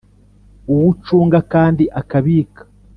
Uw ucunga kandi akabika